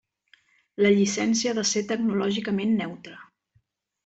La llicència ha de ser tecnològicament neutra.